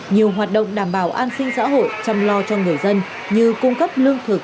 nhiều hoạt động đảm bảo an sinh xã hội chăm lo cho người dân như cung cấp lương thực